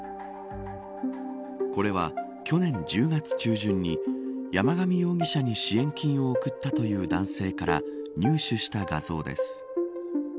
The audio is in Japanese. これは、去年１０月中旬に山上容疑者に支援金を送ったという男性から入手した画像です。